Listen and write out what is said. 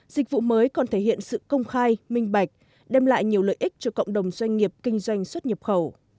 dịch vụ mới còn thể hiện sự công khai minh bạch đem lại nhiều lợi ích cho cộng đồng doanh nghiệp kinh doanh xuất nhập khẩu